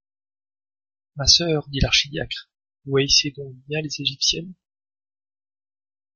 Ma sœur, dit l’archidiacre, vous haïssez donc bien les égyptiennes?